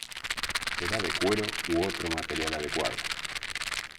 Será de cuero u otro material adecuado.